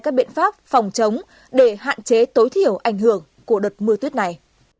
các biện pháp phòng chống để hạn chế tối thiểu ảnh hưởng của đợt mưa tuyết này